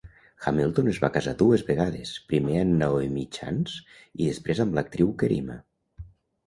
Hamilton es va casar dues vegades, primer amb Naomi Chance i després amb l'actriu Kerima.